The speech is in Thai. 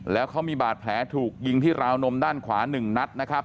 แล้วเขามีบาดแผลถูกยิงที่ราวนมด้านขวา๑นัดนะครับ